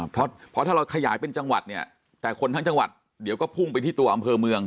เพราะถ้าเราขยายเป็นจังหวัดเนี่ยแต่คนทั้งจังหวัดเดี๋ยวก็พุ่งไปที่ตัวอำเภอเมือง